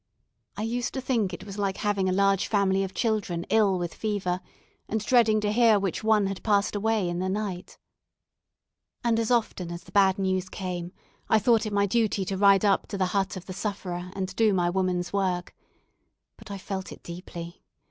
I used to think it was like having a large family of children ill with fever, and dreading to hear which one had passed away in the night. And as often as the bad news came, I thought it my duty to ride up to the hut of the sufferer and do my woman's work. But I felt it deeply.